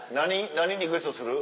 何リクエストする？